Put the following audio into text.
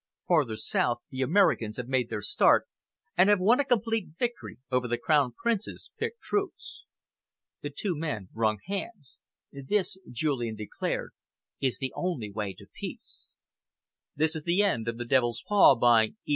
Farther south, the Americans have made their start and have won a complete victory over the Crown Prince's picked troops." The two men wrung hands. "This," Julian declared, "is the only way to Peace." End of Project Gutenberg's The Devil's Paw, by E.